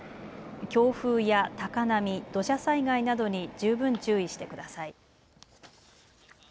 強風や高波、土砂災害などに十分注意してください。